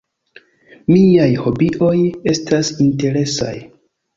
Miaj hobioj estas interesaj.